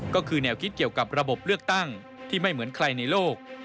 ก็คือแนวคิดเกี่ยวกับระบบเลือกตั้งที่ไม่เหมือนใครในโลก